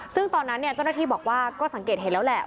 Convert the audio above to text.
ซึ่งตอนนั้นเจ้าหน้าที่บอกว่าก็สังเกตเห็นแล้วแหละ